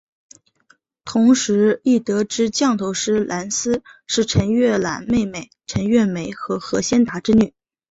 同时亦得知降头师蓝丝是陈月兰妹妹陈月梅和何先达之女。